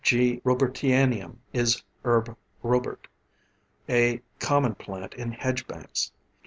G. Robertianum is herb Robert, a common plant in hedgebanks.